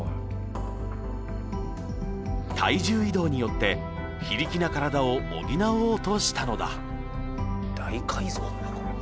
体重移動によって非力な体を補おうとしたのだ。